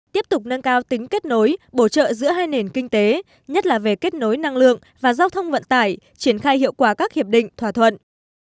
tiếp tục nâng cao tính kết nối bổ trợ giữa hai nền kinh tế nhất là về kết nối năng lượng và giao thông vận tải triển khai hiệu quả các hiệp định thỏa thuận